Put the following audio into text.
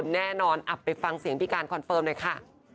แน่นอนอับไปฟังเสียงพิการคอนเฟิร์มนะคะ